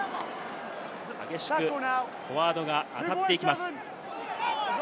激しくフォワードが当たっていきます。